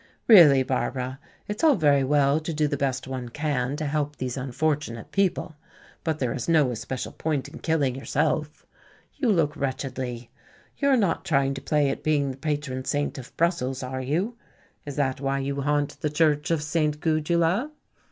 Really, Barbara, it is all very well to do the best one can to help these unfortunate people, but there is no especial point in killing yourself. You look wretchedly. You are not trying to play at being the patron saint of Brussels, are you? Is that why you haunt the church of Saint Gudula?"